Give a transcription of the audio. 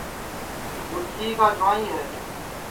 پُرکھیئے کا جُوائیں ہے